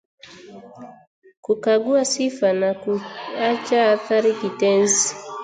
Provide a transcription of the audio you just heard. kukagua sifa na kuacha athari kitenzi